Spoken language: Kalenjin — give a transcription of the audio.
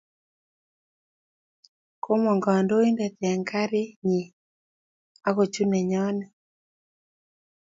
Komong kandoindet eng kariny akochut nenyondet